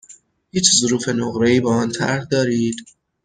هیچ ظروف نقره ای با آن طرح دارید؟